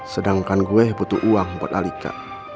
sedangkan gue butuh uang empat alika